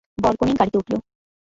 বরকনে গাড়িতে উঠল।